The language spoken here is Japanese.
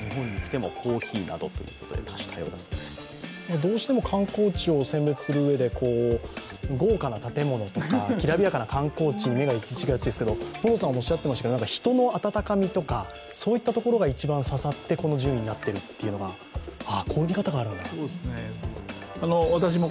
どうしても観光地を選別するうえで豪華な建物とか、きらびやかな観光地に目が行きがちですけど人の温かみとか、そういったことが一番刺さってこの順位になっているというのがこういう見方があるんだと。